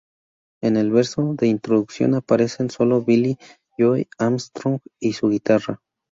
En el verso de introducción aparecen solo Billie Joe Armstrong y su guitarra.